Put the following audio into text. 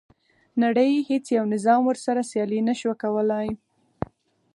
نړۍ هیڅ یو نظام ورسره سیالي نه شوه کولای.